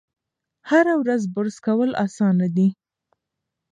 هره ورځ برس کول اسانه دي.